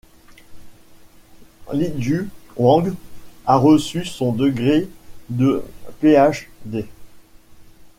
Lijun Wang a reçu son degré de Ph.D.